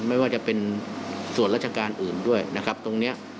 ไม่ว่าจะเป็นส่วนราชการอื่นด้วยนะครับตรงนี้